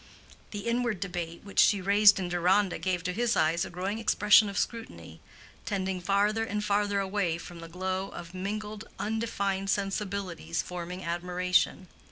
The inward debate which she raised in Deronda gave to his eyes a growing expression of scrutiny, tending farther and farther away from the glow of mingled undefined sensibilities forming admiration.